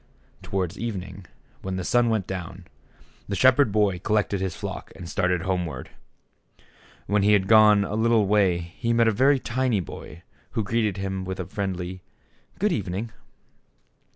Towards evening, when the sun went down, the shepherd boy col lected his flock and started homeward. When he had gone a little way he met a very tiny boy, who greeted him with a friendly "Good evening."